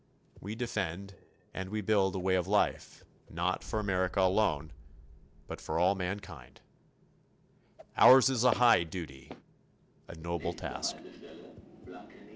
We defend and we build a way of life, not for America alone, but for all mankind. Ours is a high duty, a noble task.